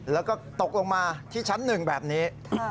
แล้วก็ตกลงมาที่ชั้น๑แบบนี้